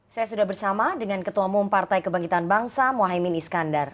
saya sudah bersama dengan ketua umum pkb mohaimin iskandar